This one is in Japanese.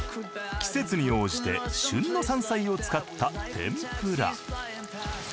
季節に応じて旬の山菜を使った天ぷら。